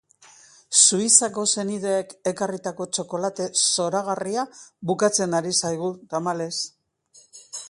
Suizako senideek ekarritako txokolate zoragarria bukatzen ari zaigu, tamalez.